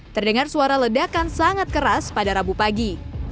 terdengar suara ledakan sangat keras pada rabu pagi